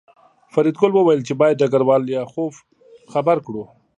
فریدګل وویل چې باید ډګروال لیاخوف خبر کړو